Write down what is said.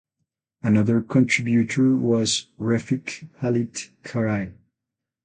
Another contributor was Refik Halit Karay.